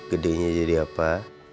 gede nya jadi apa